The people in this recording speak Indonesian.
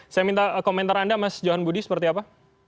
saya minta komentar anda mas johan budi seperti apa